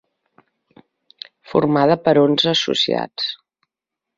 Formada per onze associats.